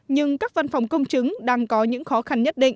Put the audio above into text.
nhưng các văn phòng công chứng đang có những khó khăn nhất định